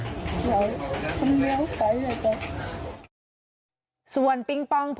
ส่วนปิ๊งปองเพื่อนเสียชีวิตเป็นใครที่ไม่รู้ว่าเขาเป็นใคร